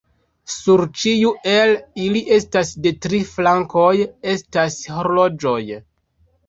Sur ĉiu el ili estas de tri flankoj estas horloĝoj.